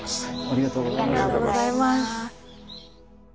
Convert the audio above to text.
ありがとうございます。